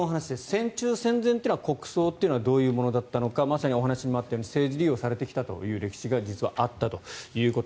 戦中、戦前は国葬というのはどういうものだったのかまさにお話にもあったように政治利用されてきたという歴史がまさにあったと。